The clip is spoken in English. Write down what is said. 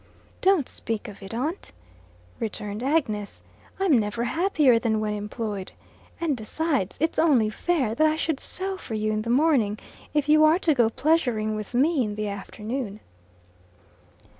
"Don't speak of it, aunt," returned Agnes. "I'm never happier than when employed. And, besides, it's only fair that I should sew for you in the morning, if you are to go pleasuring with me in the afternoon."